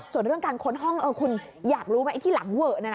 ส่วนเรื่องการค้นห้องคุณอยากรู้ไหมไอ้ที่หลังเวอะ